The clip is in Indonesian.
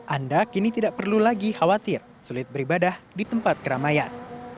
anda kini tidak perlu lagi khawatir sulit beribadah di tempat keramaian